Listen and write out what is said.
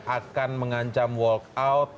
akan mengancam walk out